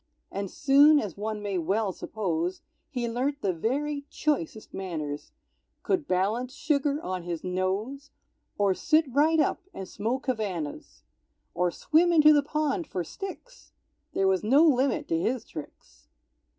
And soon, as one may well suppose, He learnt the very choicest manners, Could balance sugar on his nose, Or sit right up and smoke Havanas, Or swim into the pond for sticks, There was no limit to his tricks.